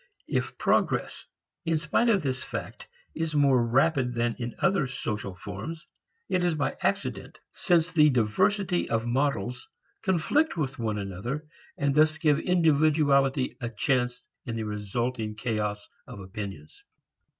If progress in spite of this fact is more rapid than in other social forms, it is by accident, since the diversity of models conflict with one another and thus give individuality a chance in the resulting chaos of opinions.